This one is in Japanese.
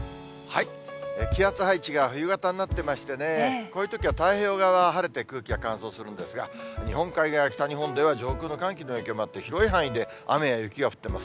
気圧配置が冬型になってましてね、こういうときは太平洋側は晴れて、空気が乾燥するんですが、日本海側や北日本では上空の寒気の影響もあって、広い範囲で雨や雪が降ってます。